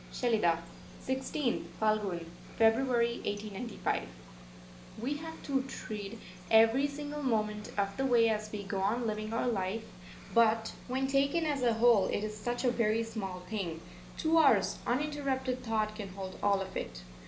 SHELIDAH, 16th (Phalgun) February 1895. We have to tread every single moment of the way as we go on living our life, but when taken as a whole it is such a very small thing, two hours uninterrupted thought can hold all of it.